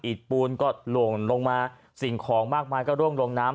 ปูนก็หล่นลงมาสิ่งของมากมายก็ร่วงลงน้ำ